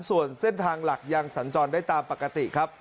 ส่วนเส้นทางหลักยังสัญจรได้ตามปกติครับ